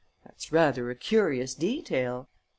That's rather a curious detail."